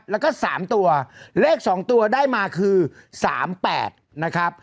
แล้วก็สามตัวเลขสองตัวได้มาคือสามแปดนะครับ